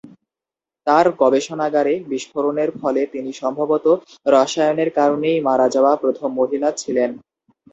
তার গবেষণাগারে বিস্ফোরণের ফলে তিনি সম্ভবত "রসায়নের কারণেই মারা যাওয়া প্রথম মহিলা" ছিলেন।